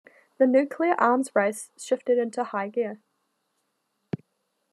The nuclear arms race shifted into high gear.